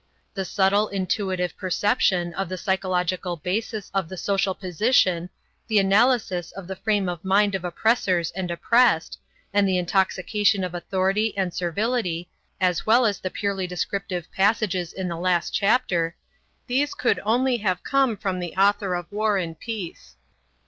The subtle intuitive perception of the psychological basis of the social position, the analysis of the frame of mind of oppressors and oppressed, and of the intoxication of Authority and Servility, as well as the purely descriptive passages in the last chapter these could only have come from the author of "War and Peace."